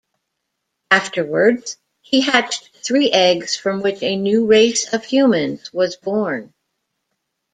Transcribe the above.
Afterwards he hatched three eggs from which a new race of humans was born.